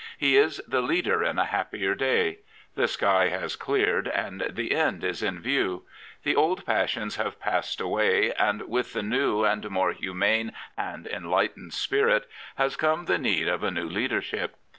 He is the leader in a happier day. The sky has cleared, and the end is in view. The old passions have passed away, and with the new and more humane and en lightened spirit has come the need of a new leadership.